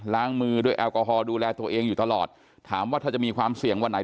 มือด้วยแอลกอฮอลดูแลตัวเองอยู่ตลอดถามว่าถ้าจะมีความเสี่ยงวันไหน